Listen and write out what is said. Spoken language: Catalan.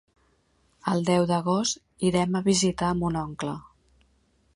El deu d'agost irem a visitar mon oncle.